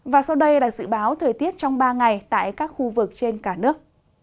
và sau đây là dự báo thời tiết trong ba ngày tại các khu vực trên cả nước